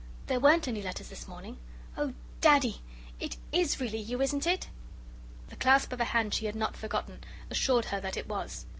"There weren't any letters this morning. Oh! Daddy! it IS really you, isn't it?" The clasp of a hand she had not forgotten assured her that it was.